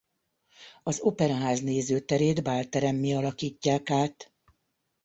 Az Operaház nézőterét bálteremmé alakítják át.